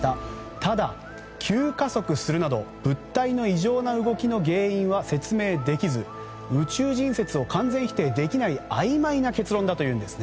ただ、急加速するなど物体の異常な動きの原因は説明できず、宇宙人説を完全否定できないあいまいな結論だというんです。